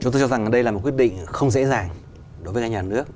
chúng tôi cho rằng đây là một quyết định không dễ dàng đối với ngân hàng nhà nước